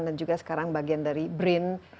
juga sekarang bagian dari brin